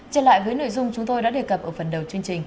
trở lại với nội dung chúng tôi đã đề cập ở phần đầu chương trình